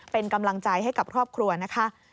เป็นกำลังใจให้กับครอบครัวนะคะ